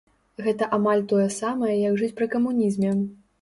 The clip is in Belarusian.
Гэта амаль тое самае, як жыць пры камунізме.